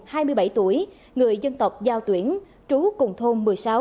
đảng văn hùng hai mươi bảy tuổi người dân tộc giao tuyển trú cùng thôn một mươi sáu